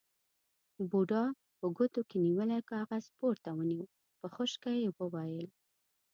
بوډا په ګوتو کې نيولی کاغذ پورته ونيو، په خشکه يې وويل: